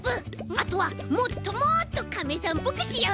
あとはもっともっとカメさんっぽくしようぜ。